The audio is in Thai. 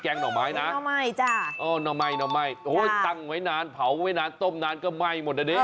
แกงหน่อไม้